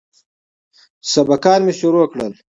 چې سبقان مې شروع کړل.